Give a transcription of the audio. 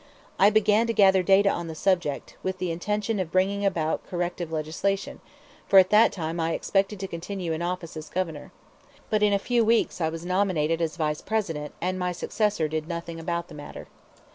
I began to gather data on the subject, with the intention of bringing about corrective legislation, for at that time I expected to continue in office as Governor. But in a few weeks I was nominated as Vice President, and my successor did nothing about the matter.